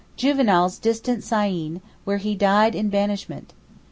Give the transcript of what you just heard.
Juvenal's distant Syene, where he died in banishment.